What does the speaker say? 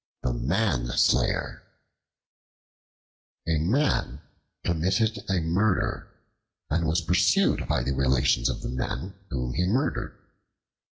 The Manslayer A MAN committed a murder, and was pursued by the relations of the man whom he murdered.